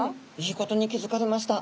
いいことに気付かれました。